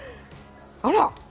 あら。